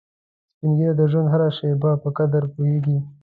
سپین ږیری د ژوند هره شېبه په قدر پوهیږي